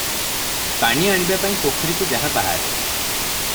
ପାଣି ଆଣିବା ପାଇଁ ପୋଖରୀକୁ ଯାହା ବାହାରେ ।